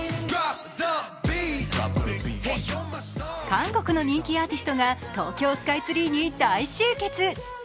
韓国の人気アーティストが東京スカイツリーに大集結。